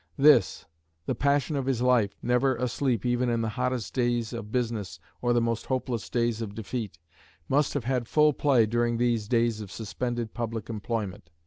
This, the passion of his life, never asleep even in the hottest days of business or the most hopeless days of defeat, must have had full play during these days of suspended public employment.